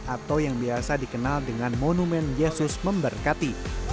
atau yang biasa dikenal dengan monumen yesus memberkati